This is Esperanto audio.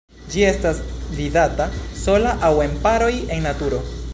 Ĝi estas vidata sola aŭ en paroj en naturo.